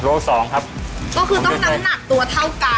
ก็คือต้องน้ำหนักตัวเท่ากัน